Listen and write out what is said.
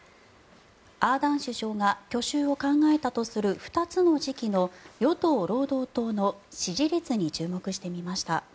アーダーン首相が去就を考えたとする２つの時期の与党・労働党の支持率に注目してみました。